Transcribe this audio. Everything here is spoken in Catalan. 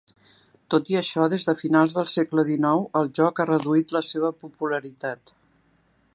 Tot i això, des de finals del segle XIX el joc ha reduït la seva popularitat.